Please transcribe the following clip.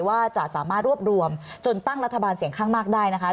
ว่าจะสามารถรวบรวมจนตั้งรัฐบาลเสียงข้างมากได้นะคะ